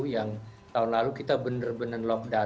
yang tahun lalu kita benar benar lockdown